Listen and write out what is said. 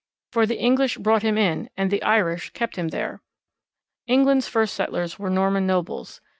For the English brought him in, and the Irish ... kept him there.' England's first settlers were Norman nobles.